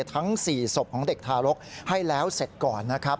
ทั้ง๔ศพของเด็กทารกให้แล้วเสร็จก่อนนะครับ